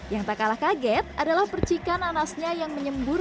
yang tak kalah kaget adalah percikan nanasnya yang menyembur